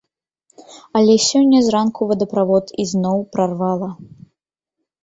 Але сёння зранку вадаправод ізноў прарвала.